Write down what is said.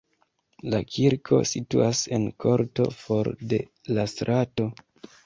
La kirko situas en korto for de la strato.